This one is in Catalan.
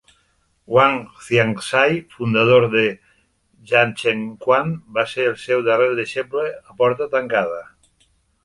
Wang Xiangzhai, fundador de dachengquan, va ser el seu darrer deixeble a porta tancada.